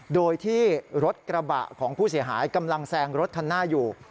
โดยที่รถกระบะของผู้เสียหายกำลังแซงรถคันหน้าอยู่